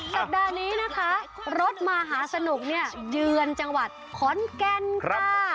สัปดาห์นี้นะคะรถมหาสนุกเนี่ยเยือนจังหวัดขอนแก่นค่ะ